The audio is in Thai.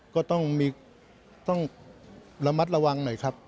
ก็ต้องระมัดระวังหน่อยครับ